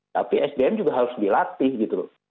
tapi sdm juga harus dilatih gitu loh